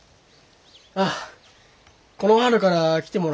あっこの春から来てもら